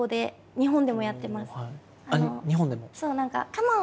日本でも？